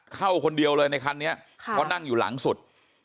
เข้าคนเดียวเลยในคันนี้เพราะนั่งอยู่หลังสุด